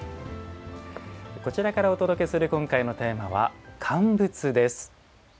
こちらからお届けする今回のテーマは乾物です。